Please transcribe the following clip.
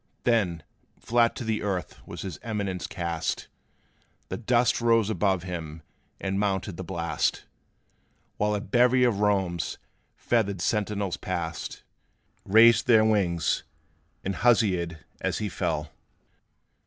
Then, flat to the earth was his Eminence cast! The dust rose above him, and mounted the blast, While a bevy of Rome's feathered sentinels passed, Raised their wings, and huzzaed as he fell!